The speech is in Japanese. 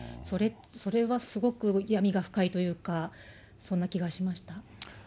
それはすごく闇が深いというか、そんな気がしました。